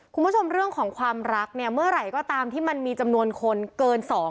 คุณผู้ชมเรื่องของความรักเนี่ยเมื่อไหร่ก็ตามที่มันมีจำนวนคนเกิน๒๐๐